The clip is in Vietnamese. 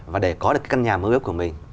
và để có được căn nhà mưu ước của mình